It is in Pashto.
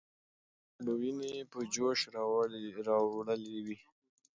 د هغې ږغ به ويني په جوش راوړلې وې.